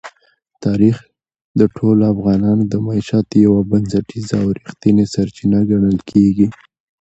تاریخ د ټولو افغانانو د معیشت یوه بنسټیزه او رښتینې سرچینه ګڼل کېږي.